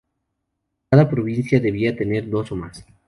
Cada provincia debía tener dos o más.